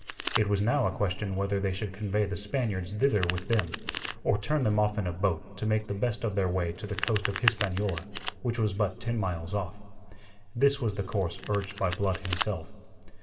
It was now a question whether they should convey the Spaniards thither with them, or turn them off in a boat to make the best of their way to the coast of Hispaniola, which was but ten miles off. This was the course urged by Blood himself.